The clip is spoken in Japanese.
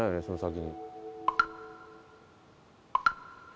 その先に。